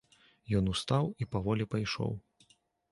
Ён устаў і паволі пайшоў.